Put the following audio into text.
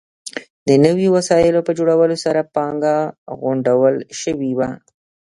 د نویو وسایلو په جوړولو سره پانګه غونډول شوې وه.